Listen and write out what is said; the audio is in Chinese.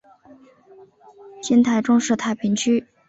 今台中市太平区。